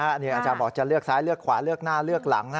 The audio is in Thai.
อาจารย์บอกจะเลือกซ้ายเลือกขวาเลือกหน้าเลือกหลัง